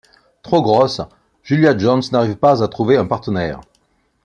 Trop grosse, Julia Jones n'arrive pas à trouver un partenaire.